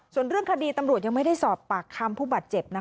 ส่วนเรื่องคดีตำรวจยังไม่ได้สอบปากคำผู้บาดเจ็บนะ